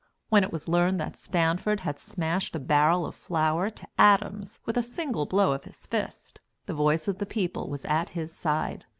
When it was learned that Stanford had smashed a barrel of flour to atoms with a single blow of his fist, the voice of the people was at his side.